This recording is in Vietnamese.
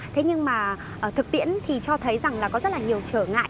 thế nhưng mà thực tiễn thì cho thấy rằng là có rất là nhiều trở ngại